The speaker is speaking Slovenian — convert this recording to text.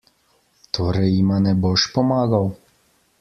Torej jima ne boš pomagal?